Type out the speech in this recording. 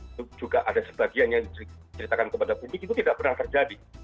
itu juga ada sebagian yang diceritakan kepada publik itu tidak pernah terjadi